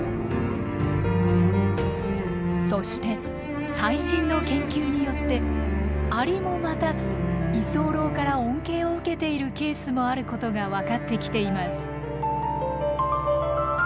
そして最新の研究によってアリもまた居候から恩恵を受けているケースもあることが分かってきています。